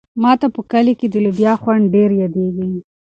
ما ته په کلي کې د لوبیا خوند ډېر یادېږي.